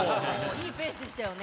いいペースでしたよね。